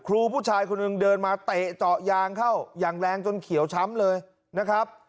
ครูผู้ชายคนหนึ่งเดินมาเตะเจาะยางเข้าอย่างแรงจนเขียวช้ำเลยนะครับ